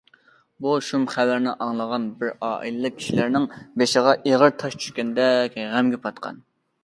بۇ شۇم خەۋەرنى ئاڭلىغان بىر ئائىلىلىك كىشىلىرىنىڭ بېشىغا ئېغىر تاش چۈشكەندەك غەمگە پاتقان.